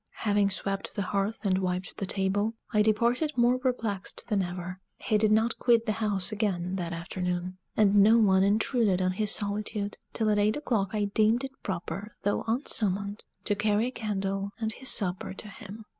Having swept the hearth and wiped the table, I departed more perplexed than ever. He did not quit the house again that afternoon, and no one intruded on his solitude till at eight o'clock I deemed it proper, though unsummoned, to carry a candle and his supper to him.